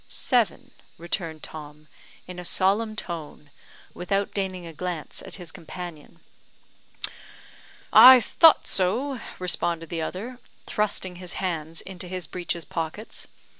"Seven," returned Tom, in a solemn tone, without deigning a glance at his companion. "I thought so," responded the other, thrusting his hands into his breeches pockets.